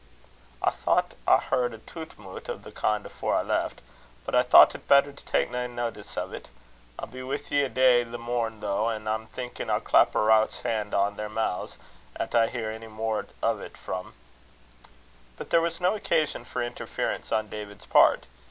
"I thocht I heard a toot moot o' that kin' afore I left, but I thocht it better to tak' nae notice o't. I'll be wi' ye a' day the morn though, an' I'm thinkin' I'll clap a rouch han' on their mou's 'at I hear ony mair o't frae." But there was no occasion for interference on David's part.